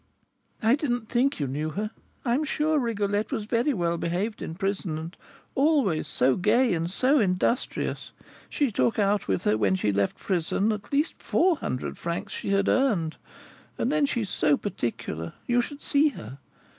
"I didn't think you knew her. I am sure Rigolette was very well behaved in prison, and always so gay and so industrious, she took out with her when she left the prison at least four hundred francs that she had earned. And then she is so particular! you should see her!